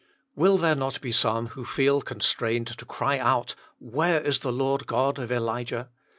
Will there not be some who feel constrained to cry out, "Where is the Lord God of Elijah